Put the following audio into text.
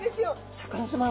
シャーク香音さま